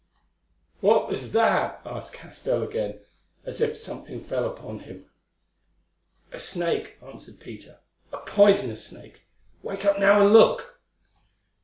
"What was that?" asked Castell again, as something fell upon him. "A snake," answered Peter, "a poisonous snake. Wake up now, and look."